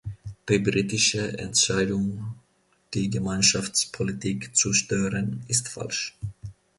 Die britische Entscheidung, die Gemeinschaftspolitik zu stören, ist falsch.